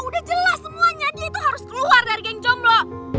udah jelas semuanya dia itu harus keluar dari geng jomblo